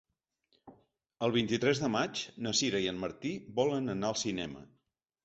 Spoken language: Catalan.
El vint-i-tres de maig na Sira i en Martí volen anar al cinema.